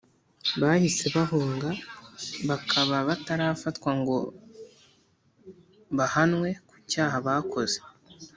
bahise bahunga bakaba batarafatwa ngo bahanwe ku cyaha bakoze.